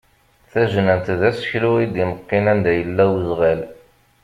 Tajnant d aseklu i d-imeqqin anda yella uzɣal.